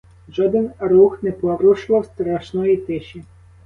Жоден рух не порушував страшної тиші.